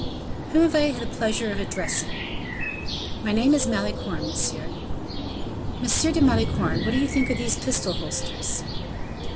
"Whom have I the pleasure of addressing?" "My name is Malicorne, monsieur." "M. de Malicorne, what do you think of these pistol holsters?"